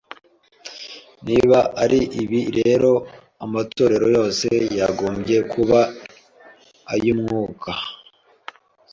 Niba ari ibi rero amatorero yose yagombye kuba ay’Umwuka